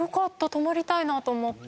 泊まりたいなと思った。